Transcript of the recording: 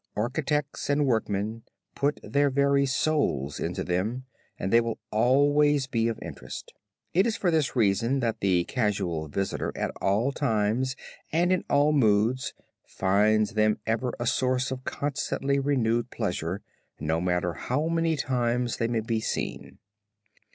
Architects and workmen put their very souls into them and they will always be of interest. It is for this reason, that the casual visitor at all times and in all moods finds them ever a source of constantly renewed pleasure, no matter how many times they may be seen.